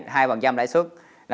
hai phần trăm lãi suất